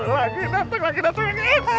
lagi dateng lagi dateng